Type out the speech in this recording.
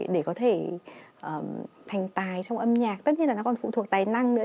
để có thể thành tài trong âm nhạc tất nhiên là nó còn phụ thuộc tài năng nữa